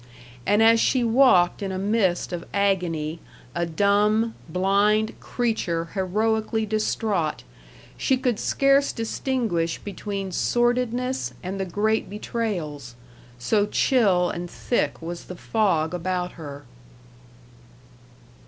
And as she walked in a mist of agony, a dumb, blind creature heroically distraught, she could scarce distinguish between sordidness and the great betrayals, so chill and thick was the fog about her.